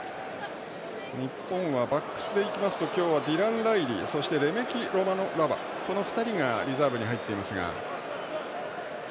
日本はバックスでいきますと今日はディラン・ライリーそして、レメキロマノラヴァこの２人がリザーブに入っていますが。